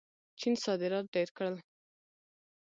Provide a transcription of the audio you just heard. چین صادرات ډېر کړل.